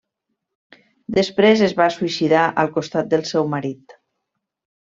Després es va suïcidar al costat del seu marit.